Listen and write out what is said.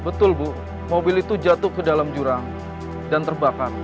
betul bu mobil itu jatuh ke dalam jurang dan terbakar